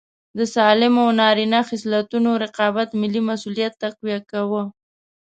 د سالمو نارینه خصلتونو رقابت ملي مسوولیت تقویه کاوه.